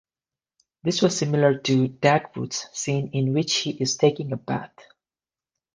This was similar to Dagwood's scene in which he is taking a bath.